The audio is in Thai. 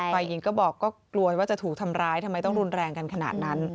ฝ่ายหญิงก็บอกก็กลัวว่าจะถูกทำร้ายทำไมต้องรุนแรงกันขนาดนั้น